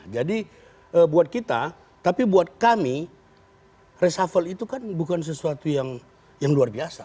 jadi buat kita tapi buat kami reshuffle itu bukan sesuatu yang luar biasa